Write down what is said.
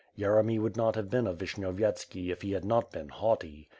Yeremy would not have been a Vishnyovyetski if he had not been haughty.